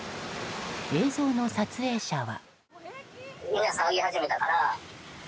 映像の撮影者は。